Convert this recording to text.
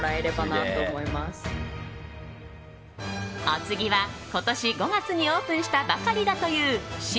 お次は、今年５月にオープンしたばかりだという